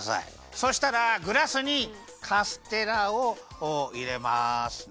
そしたらグラスにカステラをいれますね。